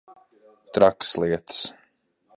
Trakas lietas.